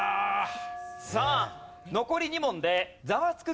さあ残り２問でザワつく！